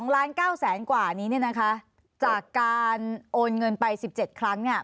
๒ล้าน๙แสนกว่านี้เนี่ยนะคะจากการโอนเงินไป๑๗ครั้งเนี่ย